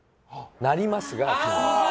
「なります」が。